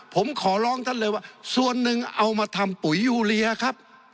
ผมขอร้องท่านเลยว่าส่วนหนึ่งเอามาทำปุ๋ยยูเรียครับ